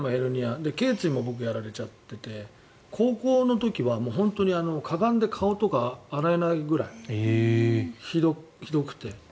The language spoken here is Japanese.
で、頸椎のほうもやられちゃってて高校の時は本当にかがんで顔とか洗えないぐらいひどくて。